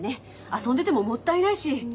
遊んでてももったいないし。